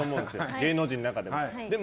芸能人の中でも。